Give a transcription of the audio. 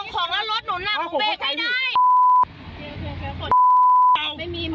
ทำไมทำแบบเนี้ย